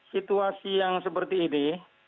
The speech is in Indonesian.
situasi yang seperti ini